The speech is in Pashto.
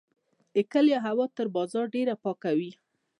د کلیو هوا تر بازار ډیره پاکه وي.